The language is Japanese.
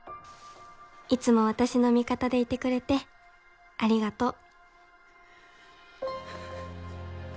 いつも私の味方でいてくれてありがとう」。